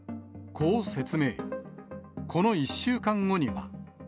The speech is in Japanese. この１週間後には。